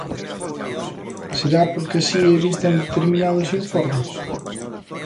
¿Será porque así evitan determinados informes?